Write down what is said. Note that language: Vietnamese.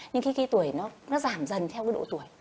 nhưng cái tuổi nó giảm dần theo cái độ tuổi